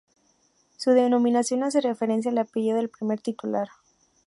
Su denominación, hace referencia al apellido del primer titular.